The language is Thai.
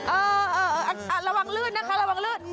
เออเออเออระวังลื่นนะครับระวังลื่น